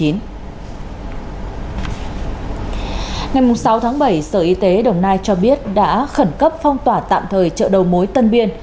ngày sáu tháng bảy sở y tế đồng nai cho biết đã khẩn cấp phong tỏa tạm thời chợ đầu mối tân biên